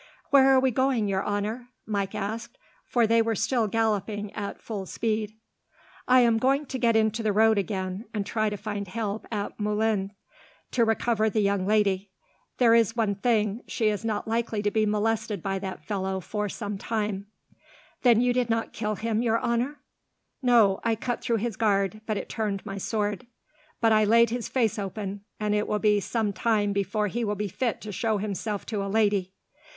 "Where are we going, your honour?" Mike asked, for they were still galloping at full speed. "I am going to get into the road again, and try to find help, at Moulins, to recover the young lady. There is one thing, she is not likely to be molested by that fellow for some little time." "Then you did not kill him, your honour?" "No. I cut through his guard, but it turned my sword. But I laid his face open, and it will be some time before he will be fit to show himself to a lady.